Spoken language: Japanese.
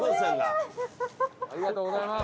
ありがとうございます。